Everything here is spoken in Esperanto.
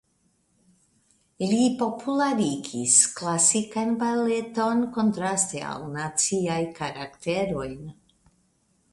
Li popularigis klasikan baleton kontraste al naciaj karakterojn.